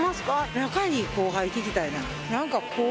仲いい後輩、聞きたいな。